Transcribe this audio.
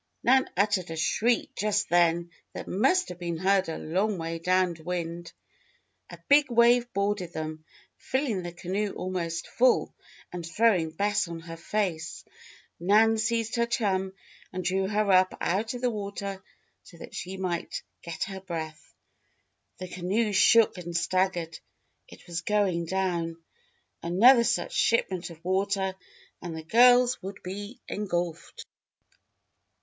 Nan uttered a shriek just then that must have been heard a long way down wind. A big wave boarded them, filling the canoe almost full, and throwing Bess on her face. Nan seized her chum and drew her up out of the water so that she might get her breath. The canoe shook and staggered. It was going down! Another such shipment of water and the girls would be engulfed!